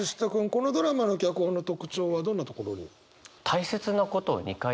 このドラマの脚本の特徴はどんなところに？